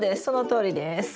そのとおりです。